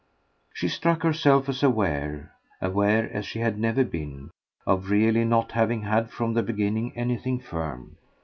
She struck herself as aware, aware as she had never been, of really not having had from the beginning anything firm.